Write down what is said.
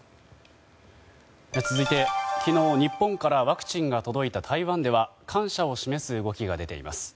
続いて、昨日日本からワクチンが届いた台湾では感謝を示す動きが出ています。